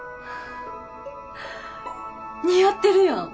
似合ってるやん！